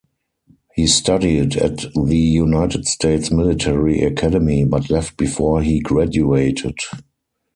He studied at the United States Military Academy, but left before he graduated.